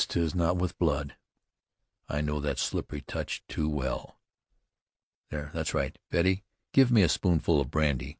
'tis not with blood. I know that slippery touch too well. There, that's right. Betty, give me a spoonful of brandy.